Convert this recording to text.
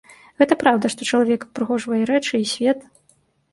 Гэта праўда, што чалавек упрыгожвае рэчы і свет.